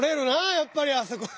やっぱりあそこは。